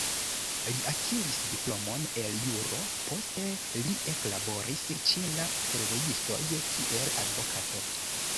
Li akiris diplomon el juro, poste li eklaboris ĉe la fervojistoj kiel advokato.